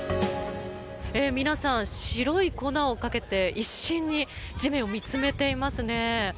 皆さん、白い粉をかけて一心に地面を見つめていますね。